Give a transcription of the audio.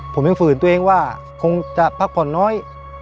ผมยังฝืนตัวเองว่าคงจะพักผ่อนน้อย